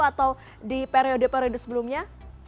atau di periode periode sebelumnya